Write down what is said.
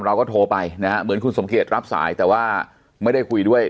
เราก็โทรไปนะฮะเหมือนคุณสมเกียจรับสายแต่ว่าไม่ได้คุยด้วย